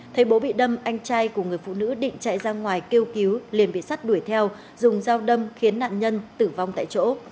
thấy bố bị đâm anh trai của người phụ nữ định chạy ra ngoài kêu cứu liền bị sát đuổi theo dùng dao đâm khiến nạn nhân tử vong tại chỗ